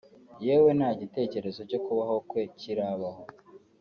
yewe nta n’igitekerezo cyo kubaho kwe kirabaho